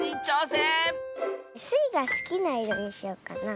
スイがすきないろにしようかな。